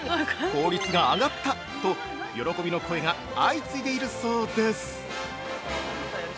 「効率が上がった！」と、喜びの声が相次いでいるそうです。